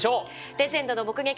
「レジェンドの目撃者」